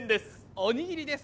おにぎりです。